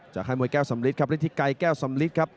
ค่ายมวยแก้วสำลิดครับฤทธิไกรแก้วสำลิดครับ